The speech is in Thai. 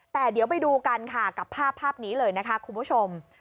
แต่เดี๋ยวไปดูกันค่ะกับภาพนี้เลยนะคะคุณผู้ชม